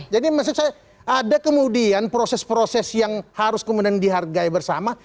jadi ada kemudian proses proses yang harus kemudian dihargai bersama